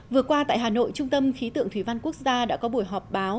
vừa qua tại hà nội trung tâm khí tượng thủy văn quốc gia đã có buổi họp báo